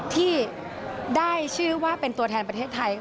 ที่ได้ชื่อว่าเป็นตัวแทนประเทศไทย